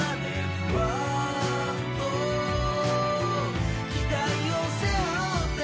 「不安と期待を背負って」